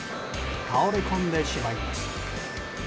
倒れこんでしまいます。